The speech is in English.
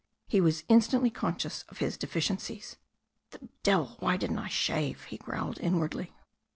He was instantly conscious of his deficiencies. "The devil ! Why didn't I shave ?" he growled inwardly.